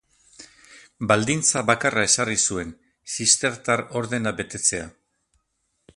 Baldintza bakarra ezarri zuen: zistertar ordena betetzea.